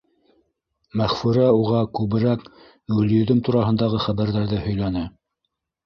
Мәғфүрә уға күберәк Гөлйөҙөм тураһындағы хәбәрҙәрҙе һөйләне.